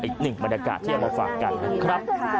อีกหนึ่งบรรยากาศที่เอามาฝากกันนะครับ